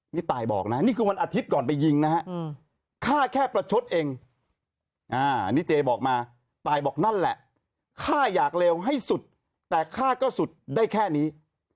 นี่ตายบอกนะนี่คือวันอาทิตย์ก่อนไปยิงนะฮะฆ่าแค่ประชดเองอันนี้เจบอกมาตายบอกนั่นแหละฆ่าอยากเลวให้สุดแต่ฆ่าก็สุดได้แค่นี้